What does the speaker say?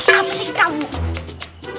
apa sih itu